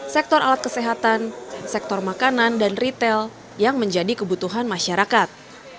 sektor alat kesehatan sektor makanan dan retail yang menjadi kebutuhan masyarakat